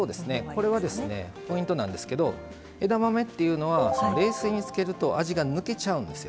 これはポイントなんですけど枝豆っていうのは冷水につけると味が抜けちゃうんです。